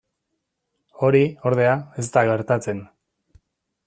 Hori, ordea, ez da gertatzen.